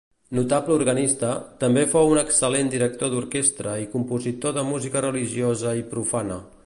Notable organista, també fou un excel·lent director d'orquestra i compositor de música religiosa i profana.